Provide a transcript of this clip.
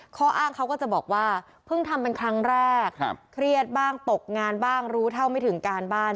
ข้ออ้างเขาก็จะบอกว่าเพิ่งทำเป็นครั้งแรกเครียดบ้างตกงานบ้างรู้เท่าไม่ถึงการบ้าน